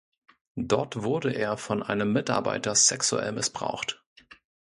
Dort wurde er von einem Mitarbeiter sexuell missbraucht.